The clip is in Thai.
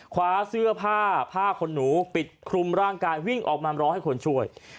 คว้าเสื้อผ้าผ้าคนหนูปิดคลุมร่างกายวิ่งออกมารอให้คนช่วย